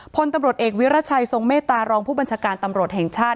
พลตำรวจเอกวิรัชัยทรงเมตตารองผู้บัญชาการตำรวจแห่งชาติ